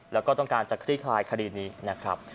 แล้วก็ต้องการจะคลี่คลายคดีนี้นะครับ